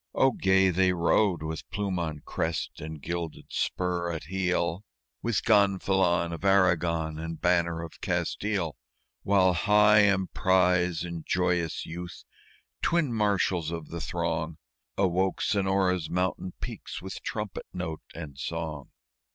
Oh, gay they rode with plume on crest and gilded spur at heel, With gonfalon of Aragon and banner of Castile! While High Emprise and Joyous Youth, twin marshals of the throng, Awoke Sonora's mountain peaks with trumpet note and song.